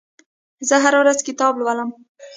زه هره ورځ کتاب لولم.